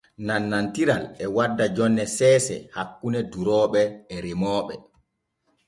Nannantiral e wadda jonne seese hakkune durooɓe e remooɓe.